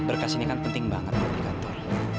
berkas ini kan penting banget buat di kantor